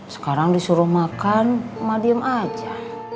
sekarang disuruh makan emak diem aja